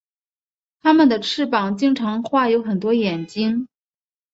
他们的翅膀经常画有很多眼睛。